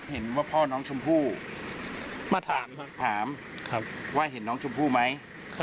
เห็นว่าพ่อน้องชมพู่มาถามถามว่าเห็นน้องชมพู่ไหม